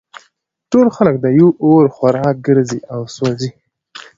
ټول خلک د یوه اور خوراک ګرځي او سوزي